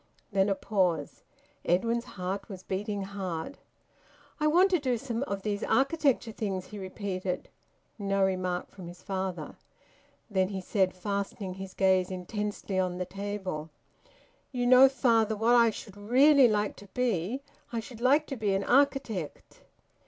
Then a pause. Edwin's heart was beating hard. "I want to do some of these architecture things," he repeated. No remark from his father. Then he said, fastening his gaze intensely on the table: "You know, father, what I should really like to be I should like to be an architect."